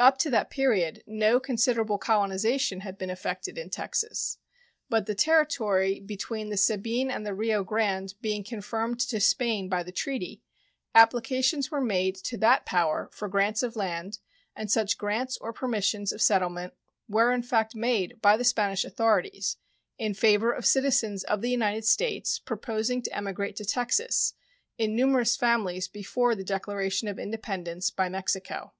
Up to that period no considerable colonization had been effected in Texas; but the territory between the Sabine and the Rio Grande being confirmed to Spain by the treaty, applications were made to that power for grants of land, and such grants or permissions of settlement were in fact made by the Spanish authorities in favor of citizens of the United States proposing to emigrate to Texas in numerous families before the declaration of independence by Mexico.